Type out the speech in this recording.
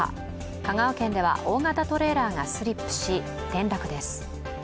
香川県では大型トレーラーがスリップし、転落です。